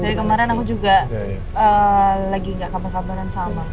dari kemarin aku juga lagi gak kabar kabaran sama